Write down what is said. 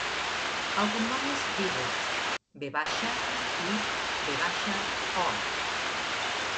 El cognom és Vivo: ve baixa, i, ve baixa, o.